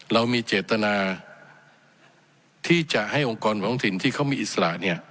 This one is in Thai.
เรามีเจตนาที่จะให้องค์กรของถิ่นที่เขามีอิสระเนี่ย